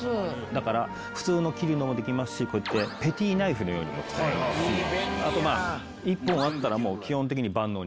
だから普通の切るのもできますしこうやってペティナイフのようにも使えますしあとまあ１本あったら基本的に万能に使えます。